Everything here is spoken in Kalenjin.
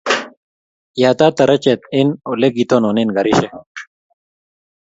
Yatat tarachet eng ole gitonone karishek